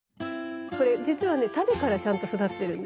これじつはねタネからちゃんと育ってるんですね。